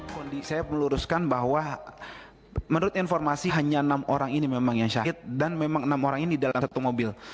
kondi saya meluruskan bahwa menurut informasi hanya enam orang ini memang yang syahid dan memang enam orang ini dalam satu mobil